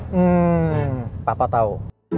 hmm papa tahu